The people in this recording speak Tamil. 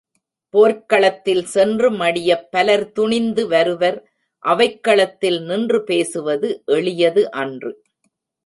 போர்க்களத்தில் சென்று மடியப் பலர் துணிந்து வருவர் அவைக்களத்தில் நின்று பேசுவது எளியது அன்று.